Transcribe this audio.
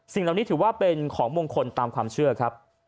เหล่านี้ถือว่าเป็นของมงคลตามความเชื่อครับ